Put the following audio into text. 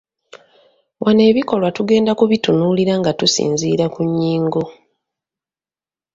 Wano ebikolwa tugenda kubitunuulira nga tusinziira ku nnyingo.